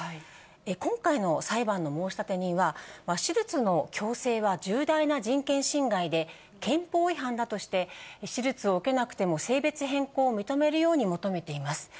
今回の裁判の申し立て人は、手術の強制は重大な人権侵害で、憲法違反だとして、手術を受けなくても性別変更を認めるように求めています。